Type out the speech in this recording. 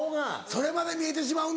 それまで見えてしまうんだ。